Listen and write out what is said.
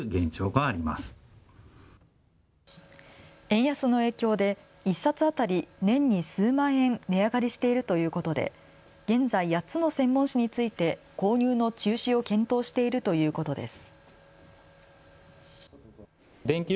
円安の影響で１冊当たり年に数万円、値上がりしているということで現在８つの専門誌について購入の中止を検討しているということです。